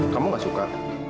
kamu gak suka